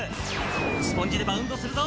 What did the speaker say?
スポンジでバウンドするぞ！